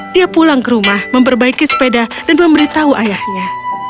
dia pulang ke rumah memperbaiki sepeda dan memberitahu ayahnya